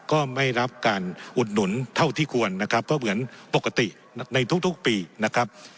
ก็ไม่รับการอุดหนุนเท่าที่ควรนะครับก็เหมือนปกติในทุกปีนะครับ